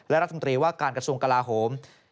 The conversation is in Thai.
และรัฐมนตรีว่าการกระทรวงกลาโหม